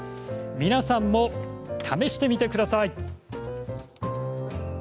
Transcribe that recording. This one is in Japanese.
皆さんも試してみてください。